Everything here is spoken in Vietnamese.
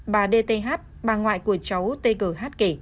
bà d t h bà ngoại của cháu t g h